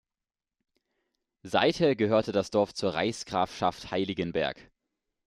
Seither gehörte das Dorf zur Reichsgrafschaft Heiligenberg.